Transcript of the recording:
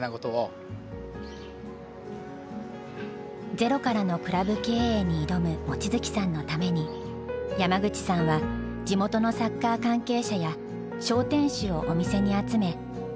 ゼロからのクラブ経営に挑む望月さんのために山口さんは地元のサッカー関係者や商店主をお店に集め引き合わせた。